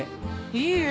いいえ。